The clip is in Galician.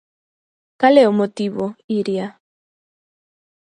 Cal é o motivo, Iria?